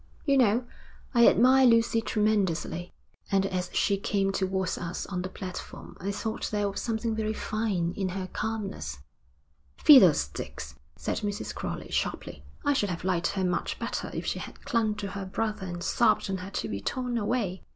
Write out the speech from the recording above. You know, I admire Lucy tremendously, and as she came towards us on the platform I thought there was something very fine in her calmness.' 'Fiddlesticks!' said Mrs. Crowley, sharply. 'I should have liked her much better if she had clung to her brother and sobbed and had to be torn away.'